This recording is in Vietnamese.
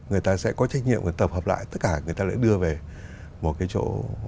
người ta sẽ có trách nhiệm và tập hợp lại tất cả người ta lại đưa về một cái chỗ